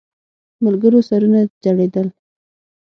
ملګرو سرونه ځړېدل.